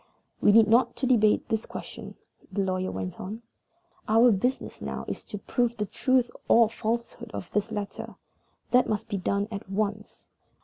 "We need not debate the question," the lawyer went on. "Our business now is to prove the truth or falsehood of this letter. That must be done at once.